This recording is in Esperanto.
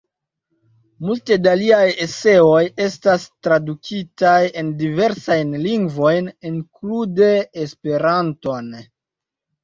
Multe da liaj eseoj estas tradukitaj en diversajn lingvojn, inklude Esperanton.